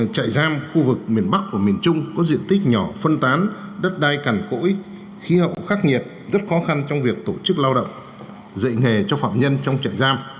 trại giam khu vực miền bắc và miền trung có diện tích nhỏ phân tán đất đai cằn cỗi khí hậu khắc nghiệt rất khó khăn trong việc tổ chức lao động dạy nghề cho phạm nhân trong trại giam